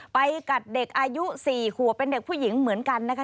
กัดเด็กอายุ๔ขัวเป็นเด็กผู้หญิงเหมือนกันนะคะ